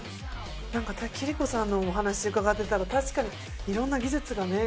なんか貴理子さんのお話伺ってたら確かにいろんな技術がね